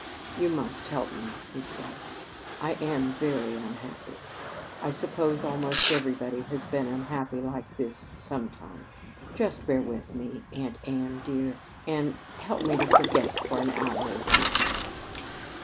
"You must help me," he said. "I am very unhappy. I suppose almost everybody has been unhappy like this sometime. Just bear with me, Aunt Anne, dear, and help me to forget for an hour or two."